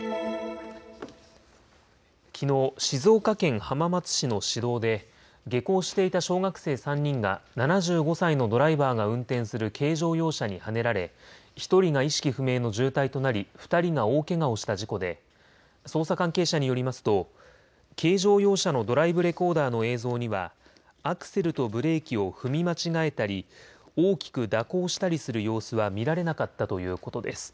きのう静岡県浜松市の市道で下校していた小学生３人が７５歳のドライバーが運転する軽乗用車にはねられ、１人が意識不明の重体となり２人が大けがをした事故で捜査関係者によりますと軽乗用車のドライブレコーダーの映像にはアクセルとブレーキを踏み間違えたり大きく蛇行したりする様子は見られなかったということです。